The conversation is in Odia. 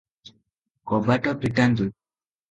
କବାଟ ଫିଟାନ୍ତୁ ।"